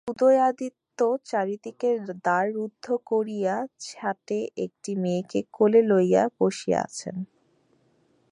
উদয়াদিত্য চারিদিকের দ্বার রুদ্ধ করিয়া ছােট একটি মেয়েকে কোলে লইয়া বসিয়া আছেন।